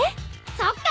そっか！